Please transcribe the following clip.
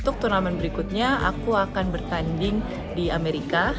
untuk turnamen berikutnya aku akan bertanding di amerika